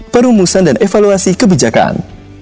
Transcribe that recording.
perumusan dan evaluasi kebijakan